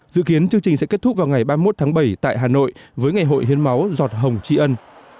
dự kiến chương trình sẽ kết thúc vào ngày ba mươi một tháng bảy tại hà nội với ngày hội hiến máu giọt hồng tri ân